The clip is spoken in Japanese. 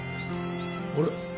あれ？